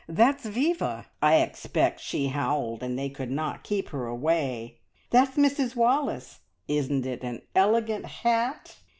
That's Viva! I expect she howled, and they could not keep her away. That's Mrs Wallace! Isn't it an elegant hat?"